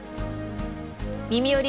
「みみより！